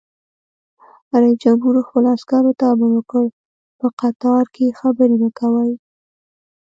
رئیس جمهور خپلو عسکرو ته امر وکړ؛ په قطار کې خبرې مه کوئ!